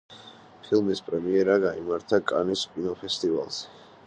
ფილმის პრემიერა გაიმართა კანის კინოფესტივალზე.